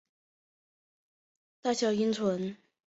之后再使用剃刀直接切除大小阴唇。